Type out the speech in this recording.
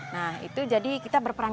nah itu jadi kita berperang